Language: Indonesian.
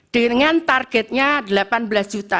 dengan targetnya delapan belas juta